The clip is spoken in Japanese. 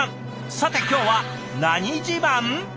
さて今日は何自慢？